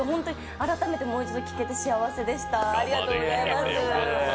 改めてもう一度聴けて幸せでした。